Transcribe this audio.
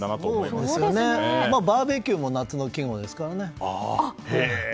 まあ、バーベキューも夏の季語ですからね。